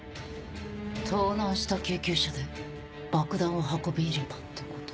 盗難した救急車で爆弾を運び入れたってこと？